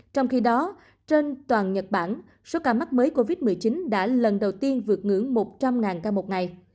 trong khi đó trên toàn nhật bản số ca mắc mới covid một mươi chín đã lần đầu tiên vượt ngưỡng một trăm linh ca một ngày